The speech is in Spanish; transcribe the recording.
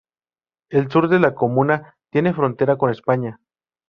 El sur de la comuna tiene frontera con España.